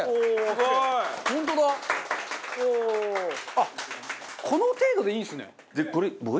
あっこの程度でいいんですね。